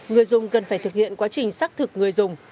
người dùng cần phải thực hiện quá trình xác thực người dùng